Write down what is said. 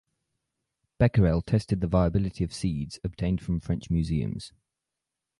Becquerel tested the viability of seeds obtained from French museums.